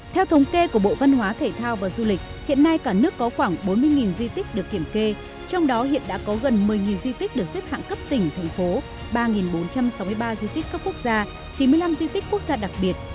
theo thống kê của bộ văn hóa thể thao và du lịch hiện nay cả nước có khoảng bốn mươi di tích được kiểm kê trong đó hiện đã có gần một mươi di tích được xếp hạng cấp tỉnh thành phố ba bốn trăm sáu mươi ba di tích cấp quốc gia chín mươi năm di tích quốc gia đặc biệt